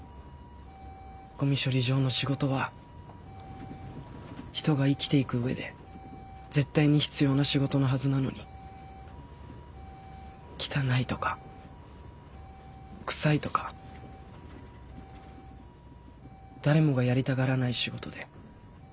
ごみ処理場の仕事は人が生きていく上で絶対に必要な仕事のはずなのに汚いとか臭いとか誰もがやりたがらない仕事で。